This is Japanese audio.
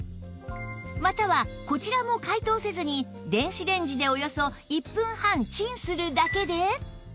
またはこちらも解凍せずに電子レンジでおよそ１分半チンするだけで